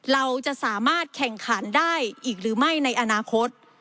เราจะสามารถแข่งขันได้อีกหรือไม่ในอนาคต